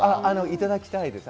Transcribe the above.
いただきたいです。